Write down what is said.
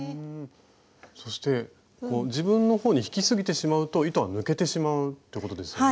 そして自分のほうに引きすぎてしまうと糸が抜けてしまうってことですよね？